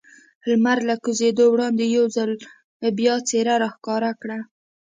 لمر له کوزېدو وړاندې یو ځل بیا څېره را ښکاره کړل.